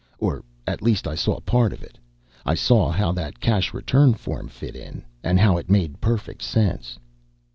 Or at least I saw part of it. I saw how that cash return form fit in, and how it made perfect sense.